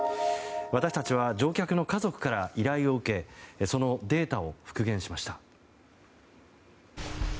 私たちは乗客の家族から依頼を受けそのデータを復元しました。